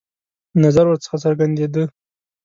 نظر ورڅخه څرګندېدی.